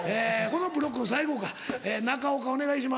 このブロックの最後か中岡お願いします。